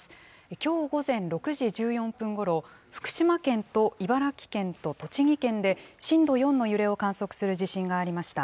きょう午前６時１４分ごろ、福島県と茨城県と栃木県で、震度４の揺れを観測する地震がありました。